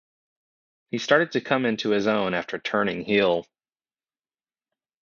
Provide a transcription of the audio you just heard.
He started to come into his own after turning heel.